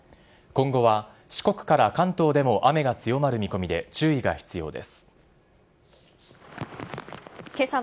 今後は四国から関東でも雨が強まる見込みで、注意が必要です。